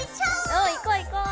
おう行こう行こう！